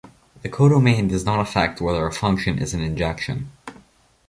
The codomain does not affect whether a function is an injection.